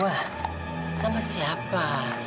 wah sama siapa